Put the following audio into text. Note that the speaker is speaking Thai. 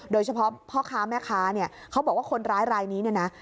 โดยเฉพาะพ่อค้าแม่ค้าเนี่ยเขาบอกว่าคนร้ายรายนี้เนี่ยนะ